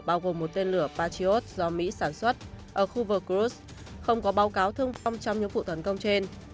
bao gồm một tên lửa patriot do mỹ sản xuất ở khu vực khrushchev không có báo cáo thương phong trong những vụ thấn công trên